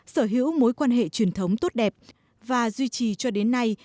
sở hữu mối quan hệ truyền thống tốt đẹp và duy trì cho đến nay